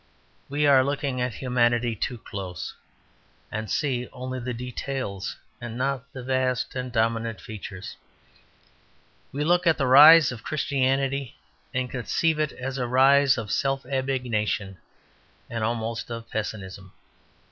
We are looking at humanity too close, and see only the details and not the vast and dominant features. We look at the rise of Christianity, and conceive it as a rise of self abnegation and almost of pessimism.